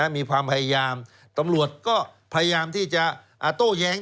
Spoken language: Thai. มีความพยายามตำรวจก็พยายามที่จะโต้แย้ง